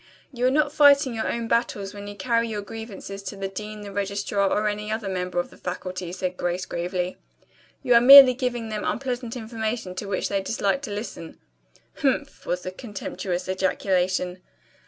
"You are not fighting your own battles when you carry your grievances to the dean, the registrar, or any other member of the faculty," said Grace gravely. "You are merely giving them unpleasant information to which they dislike to listen." "Humph!" was the contemptuous ejaculation.